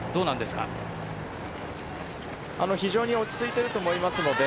非常に落ち着いていると思います。